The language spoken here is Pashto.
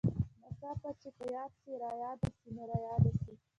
ناڅاپه چې په ياد سې چې راياد سې نو راياد سې.